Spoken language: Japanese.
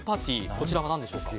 こちらは何でしょうか？